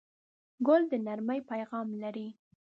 ګل د نرمۍ پیغام لري.